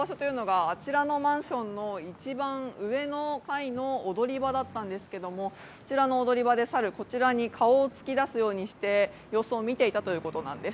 あちらのマンションの一番上の踊り場だったんですけれども、こちらの踊り場で猿、こちらに顔を突き出すようにして様子を見ていたということなんです。